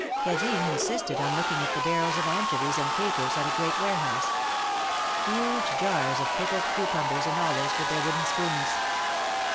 Cadine insisted on looking at the barrels of anchovies and capers at a great warehouse; huge jars of pickled cucumbers and olives, with their wooden spoons.